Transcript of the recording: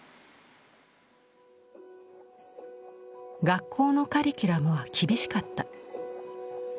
学校のカリキュラムは厳しかった。